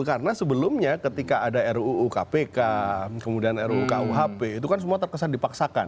karena sebelumnya ketika ada ruu kpk kemudian ruu kuhp itu kan semua terkesan dipaksakan